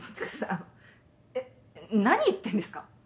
あのえっ何言ってんですか？